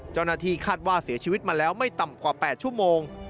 เจ้าหน้าที่คาดว่าเสียชีวิตมาแล้วไม่ต่ำกว่า๘ชั่วโมง